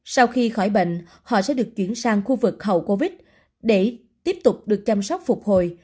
sau khi khỏi bệnh họ sẽ được chuyển sang khu vực hậu covid để tiếp tục được chăm sóc phục hồi